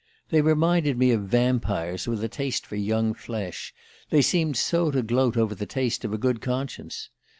They reminded me of vampires with a taste for young flesh, they seemed so to gloat over the taste of a good conscience.